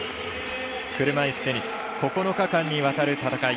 車いすテニス９日間にわたる戦い。